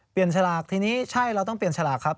ฉลากทีนี้ใช่เราต้องเปลี่ยนฉลากครับ